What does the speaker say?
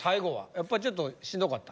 やっぱりちょっとしんどかった。